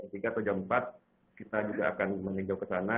ini kayak hari ini jam tiga atau jam empat kita juga akan menginjau ke sana